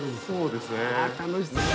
そうですね。